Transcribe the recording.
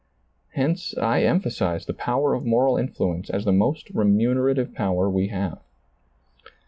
Hence I emphasize the power of moral influence as the most remunerative power we have.